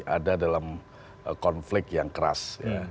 ada dalam konflik yang keras